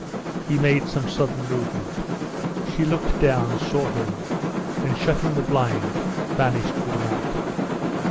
He made some sudden movement. She looked down, saw him, and shutting the blind, vanished for the night.